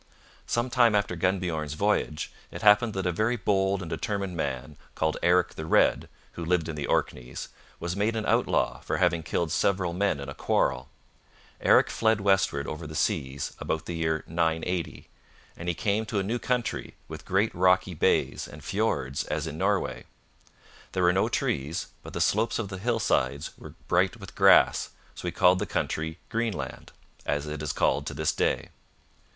Some time after Gunnbjorn's voyage it happened that a very bold and determined man called Eric the Red, who lived in the Orkneys, was made an outlaw for having killed several men in a quarrel. Eric fled westward over the seas about the year 980, and he came to a new country with great rocky bays and fjords as in Norway. There were no trees, but the slopes of the hillsides were bright with grass, so he called the country Greenland, as it is called to this day.